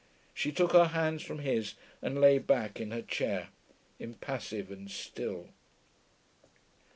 She took her hands from his and lay back in her chair, impassive and still.